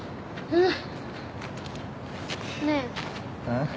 うん。